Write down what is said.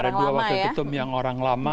ada dua wakil ketum yang orang lama